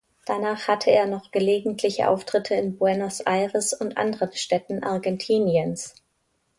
Danach hatte er noch gelegentliche Auftritte in Buenos Aires und anderen Städten Argentiniens.